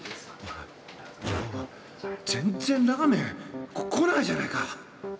全然ラーメン来ないじゃないか！